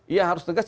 iya harus tegas